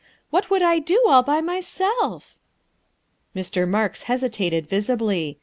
What would I do all by myself?" Mr. Marks hesitated visibly.